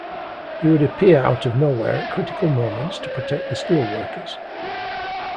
He would appear out of nowhere at critical moments to protect the steel workers.